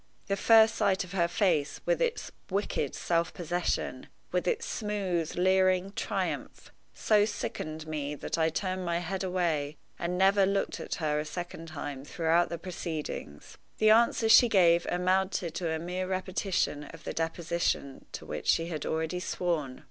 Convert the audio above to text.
The first sight of her face, with its wicked self possession, with its smooth leering triumph, so sickened me that I turned my head away and never looked at her a second time throughout the proceedings. The answers she gave amounted to a mere repetition of the deposition to which she had already sworn.